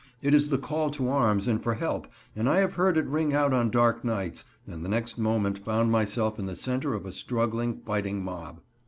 It is the call to arms and for help, and I have heard it ring out on dark nights, and the next moment found myself in the center of a struggling, fighting mob.